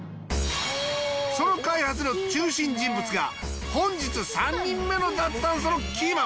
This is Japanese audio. その開発の中心人物が本日３人目の脱炭素のキーマン。